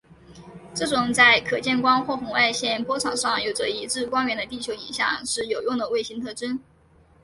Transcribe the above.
这种在可见光或红外线波长上有着一致光源的地球影像是有用的卫星特征。